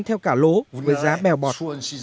theo cả lố với giá bèo bọt